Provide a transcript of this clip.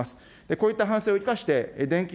こういった反省を生かして、電気